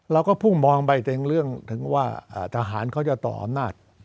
เราก็พุ่งมองไปถึงเรื่องถึงว่าทหารเขาจะต่ออำนาจ